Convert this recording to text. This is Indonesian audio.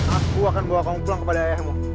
aku akan bawa kamu pulang kepada ayahmu